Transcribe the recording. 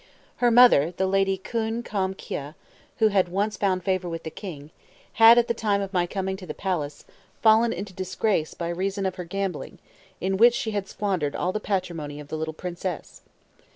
Her mother, the Lady Khoon Chom Kioa, who had once found favor with the king, had, at the time of my coming to the palace, fallen into disgrace by reason of her gambling, in which she had squandered all the patrimony of the little princess.